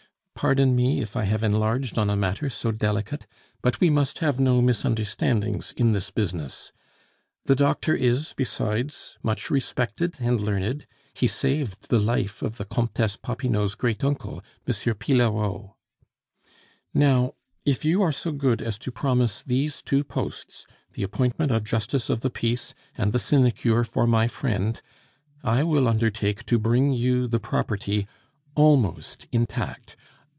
Pardon me if I have enlarged on a matter so delicate; but we must have no misunderstandings in this business. The doctor is, besides, much respected and learned; he saved the life of the Comtesse Popinot's great uncle, M. Pillerault. "Now, if you are so good as to promise these two posts the appointment of justice of the peace and the sinecure for my friend I will undertake to bring you the property, almost intact.